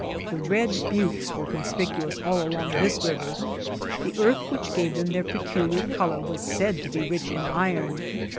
The Red Buttes were conspicuous all along this river. The earth which gave them their peculiar color was said to be rich in iron.